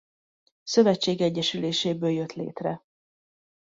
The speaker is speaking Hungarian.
Szövetség egyesüléséből jött létre.